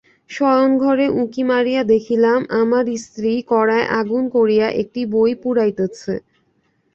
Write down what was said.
শয়নঘরে উঁকি মারিয়া দেখিলাম, আমার স্ত্রী কড়ায় আগুন করিয়া একটি বই পুড়াইতেছে।